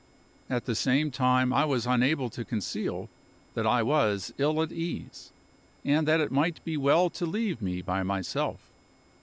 At the same time I was unable to conceal that I was ill at ease, and that it might be well to leave me by myself.